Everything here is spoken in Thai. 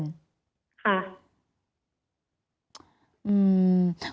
ค่ะ